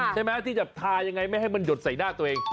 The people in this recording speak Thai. ใช่ไหมที่จะทายังไงไม่ให้มันหยดใส่หน้าตัวเอง